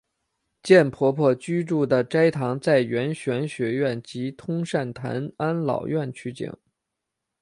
贱婆婆居住的斋堂在圆玄学院及通善坛安老院取景。